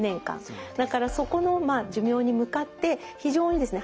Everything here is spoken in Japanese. だからそこの寿命に向かって非常にですね